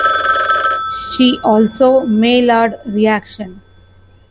See also Maillard Reaction.